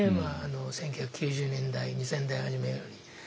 １９９０年代２０００年代初めより。